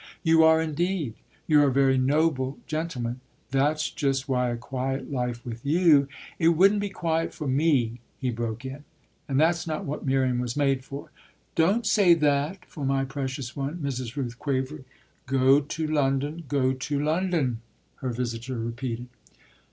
"You are indeed you're a very noble gentleman. That's just why a quiet life with you " "It wouldn't be quiet for me!" he broke in. "And that's not what Miriam was made for." "Don't say that for my precious one!" Mrs. Rooth quavered. "Go to London go to London," her visitor repeated.